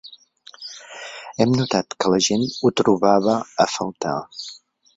Hem notat que la gent ho trobava a faltar.